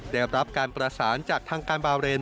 ได้รับการประสานจากทางการบาเรน